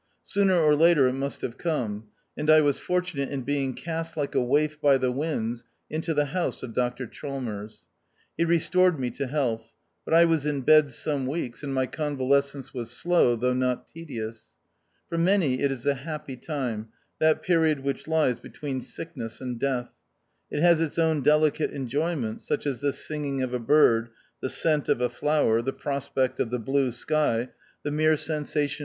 Sooner or later it must have come ; and I was fortunate in being cast like a waif by the winds into the house of Dr Chalmers. He restored me to health ; but I was in bed some weeks, and my con valescence was slow, though not tedious. For many it is a happy time, that period which lies between sickness and health. It has its own delicate enjoyments, such as the sing ino of a bird, the scent of a flower, the prospect of the blue sky, the mere sensation i 4 o HIE OUTCAST.